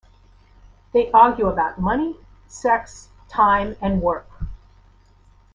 They argue about money, sex, time and work...